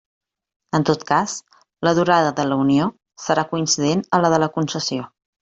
En tot cas, la durada de la unió serà coincident a la de la concessió.